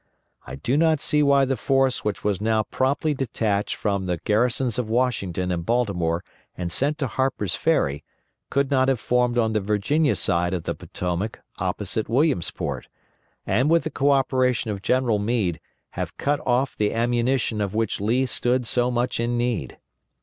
I do not see why the force which was now promptly detached from the garrisons of Washington and Baltimore and sent to Harper's Ferry could not have formed on the Virginia side of the Potomac opposite Williamsport, and with the co operation of General Meade have cut off the ammunition of which Lee stood so much in need.